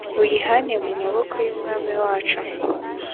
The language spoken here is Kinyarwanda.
buyihane mu maboko y umwami wacu